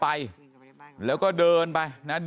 ไปรับศพของเนมมาตั้งบำเพ็ญกุศลที่วัดสิงคูยางอเภอโคกสำโรงนะครับ